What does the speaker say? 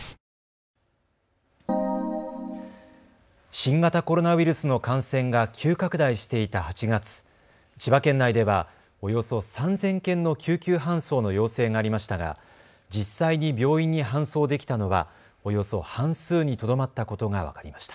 新型コロナウイルスの感染が急拡大していた８月、千葉県内ではおよそ３０００件の救急搬送の要請がありましたが実際に病院に搬送できたのはおよそ半数にとどまったことが分かりました。